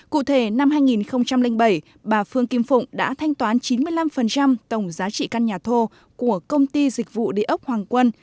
cụ thể năm hai nghìn bảy bà phương kim phụng đã thanh toán chín mươi năm tổng giá trị căn nhà thô của công ty dịch vụ địa ốc hoàng quân